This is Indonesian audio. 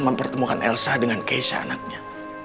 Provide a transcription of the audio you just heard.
mempertemukan elsa dengan keisha anaknya